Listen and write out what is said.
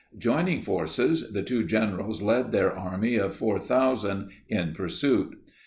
Joining forces, the two generals led their army of 4,000 in pursuit.